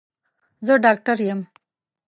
زه ډاکټر يم.